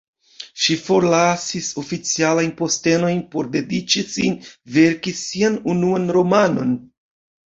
Ŝi forlasis oficialajn postenojn por dediĉi sin verki sian unuan romanon.